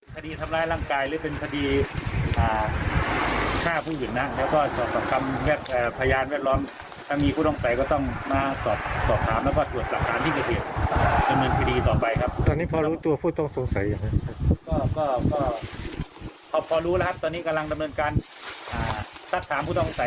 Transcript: พอรู้แล้วครับตอนนี้กำลังดำเนินการสักครามผู้ต้องสัยอยู่แต่ว่ายังเปิดเผยไม่ได้